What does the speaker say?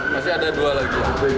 masih ada dua lagi